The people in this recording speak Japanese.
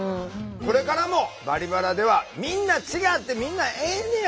これからも「バリバラ」ではみんな違ってみんなええねやん！